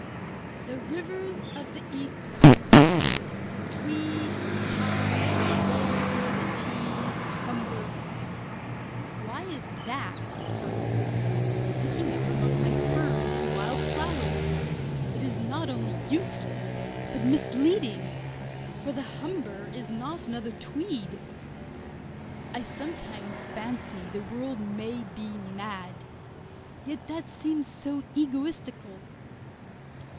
"The Rivers of the East Coast; the Tweed, the Tyne, the Wear, the Tees, the Humber" why is that, for instance, sticking up among my ferns and wild flowers? It is not only useless but misleading, for the Humber is not another Tweed. I sometimes fancy the world may be mad yet that seems egotistical.